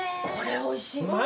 これおいしい。